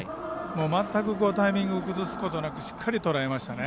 全くタイミングを崩すことなくしっかりとらえましたね。